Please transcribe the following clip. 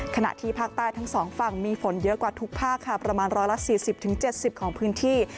ขณะที่ภาคใต้ทั้งสองฝั่งมีฝนเยอะกว่าทุกภาคค่ะประมาณ๑๔๐๗๐ของพื้นที่